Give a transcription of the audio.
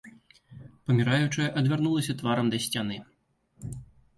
Паміраючая адвярнулася тварам да сцяны.